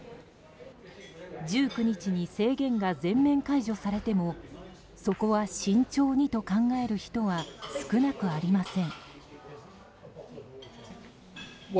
１９日に制限が全面解除されてもそこは慎重にと考える人は少なくありません。